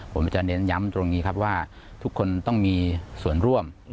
ผมจะเน้นย้ำตรงนี้ครับว่าทุกคนต้องมีส่วนร่วม